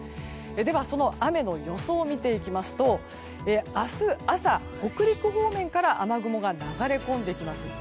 では、その雨の予想を見ていきますと明日朝、北陸方面から雨雲が流れ込んできます。